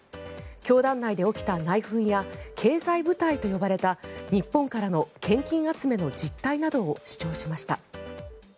教団内で起きた内紛や経済部隊と呼ばれた日本からの献金集めの実態などを主張しました。